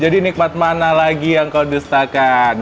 nikmat mana lagi yang kau dustakan